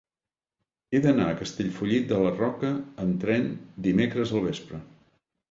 He d'anar a Castellfollit de la Roca amb tren dimecres al vespre.